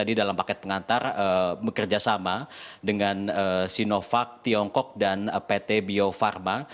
saya tadi dalam paket pengantar bekerja sama dengan sinovac tiongkok dan pt bio farma